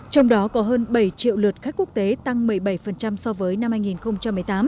trong đó có hơn bảy triệu lượt khách quốc tế tăng một mươi bảy so với năm hai nghìn một mươi tám